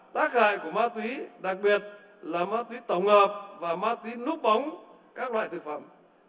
tác hại của ma túy đặc biệt là ma túy tổng hợp và ma túy núp bóng các loại thực phẩm